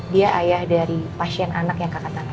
dia ayah dari pasien anak yang kakak tanah